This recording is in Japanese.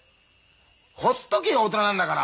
ほっとけよ大人なんだから！